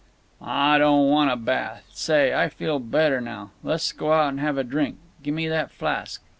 "Aw, don't want a bath. Say, I feel better now. Let's go out and have a drink. Gimme that flask.